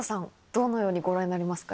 どのようにご覧になりますか？